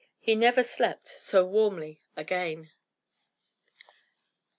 He never slept so warmly again.